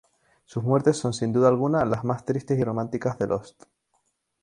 Sus muertes son sin duda alguna las más tristes y románticas de Lost.